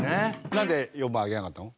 なんで４番挙げなかったの？